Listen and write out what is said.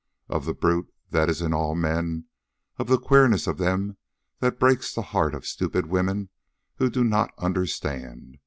Of the brute that is in all men, of the queerness of them that breaks the hearts of stupid women who do not understand.